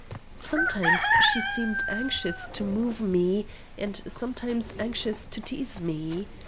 Sometimes she seemed anxious to move me, and sometimes anxious to tease me.